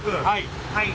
はい。